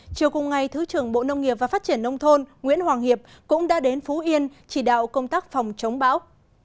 chiều cùng ngày thứ trưởng bộ nông nghiệp và phát triển nông thôn nguyễn hoàng hiệp cũng đã đến phú yên chỉ đạo công tác phòng chống bão